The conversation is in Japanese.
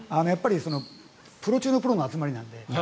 プロ中のプロの集まりなので。